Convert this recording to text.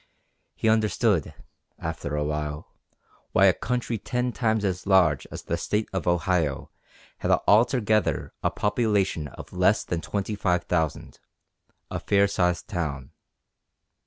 He understood, after a while, why a country ten times as large as the state of Ohio had altogether a population of less than twenty five thousand, a fair sized town.